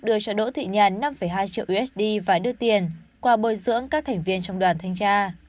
đỗ thị nhàn năm hai triệu usd vài đưa tiền qua bồi dưỡng các thành viên trong đoàn thanh tra